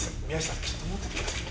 ちょっと持っててください。